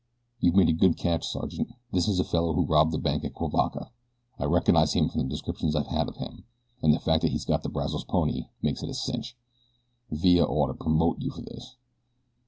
"You've made a good catch, Sergeant. This is the fellow who robbed the bank at Cuivaca. I recognize him from the descriptions I've had of him, and the fact that he's got the Brazos pony makes it a cinch. Villa oughter promote you for this."